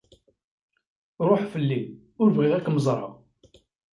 Ṛuf fell-i. Ur bɣiɣ ad kem-ẓreɣ.